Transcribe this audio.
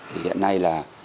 hiện nay là